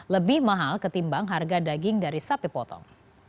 lebih mahal ketimbang harga daging dari sapi potong